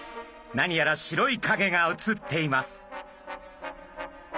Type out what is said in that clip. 何やら白いかげが映っています。